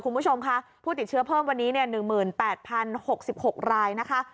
คุณผู้ชมค่ะผู้ติดเชื้อเพิ่มวันนี้๑๘๐๖๖รายนะคะ